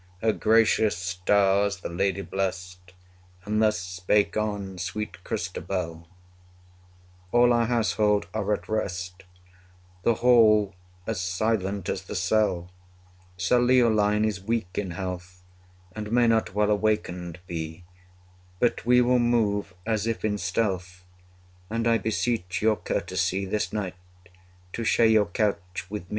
Her gracious stars the lady blest, And thus spake on sweet Christabel: 115 All our household are at rest, The hall as silent as the cell; Sir Leoline is weak in health, And may not well awakened be, But we will move as if in stealth, 120 And I beseech your courtesy, This night, to share your couch with me.